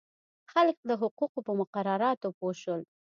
خلک د حقوقو په مقرراتو پوه شول.